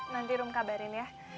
nanti rum kabarin ya